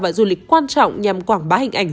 và du lịch quan trọng nhằm quảng bá hình ảnh